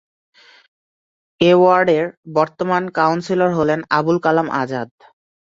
এ ওয়ার্ডের বর্তমান কাউন্সিলর হলেন আবুল কালাম আজাদ।